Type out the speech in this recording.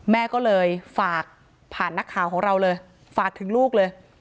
แม่ก็เลยฝากผ่านนักข่าวของเราเลยฝากถึงลูกเลย